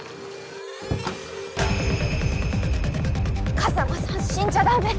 風真さん死んじゃダメ。